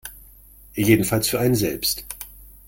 Jedenfalls für einen selbst.